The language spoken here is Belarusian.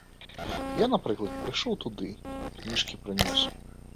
Я, напрыклад, прыйшоў туды, кніжкі прынёс.